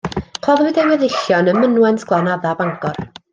Claddwyd ei weddillion ym mynwent Glanadda, Bangor.